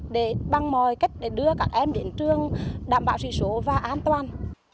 để bằng mọi cách để đưa các em đến trường đảm bảo sĩ số và an toàn